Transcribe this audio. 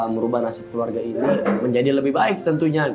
merubah nasib keluarga ini menjadi lebih baik tentunya